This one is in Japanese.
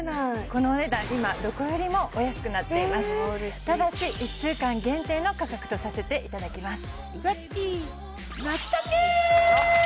このお値段今どこよりもお安くなっていますただし１週間限定の価格とさせていただきます